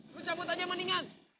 lu cabut aja mendingan